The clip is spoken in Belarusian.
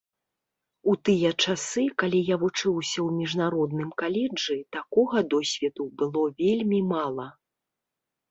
У тыя часы, калі я вучыўся ў міжнародным каледжы, такога досведу было вельмі мала.